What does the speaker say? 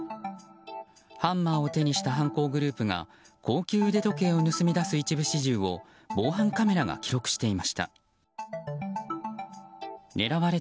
ハンマーを手にした犯行グループが高級腕時計を盗み出す一部始終を防犯カメラが記録していました。